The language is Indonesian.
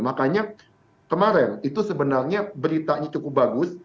makanya kemarin itu sebenarnya beritanya cukup bagus